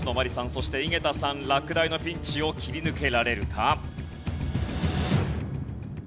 そして井桁さん落第のピンチを切り抜けられるか？